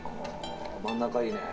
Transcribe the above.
真ん中いいね。